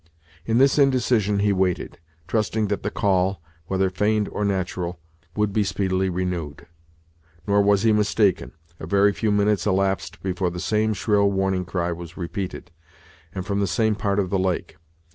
In this indecision he waited, trusting that the call, whether feigned or natural, would be speedily renewed. Nor was he mistaken. A very few minutes elapsed before the same shrill warning cry was repeated, and from the same part of the lake.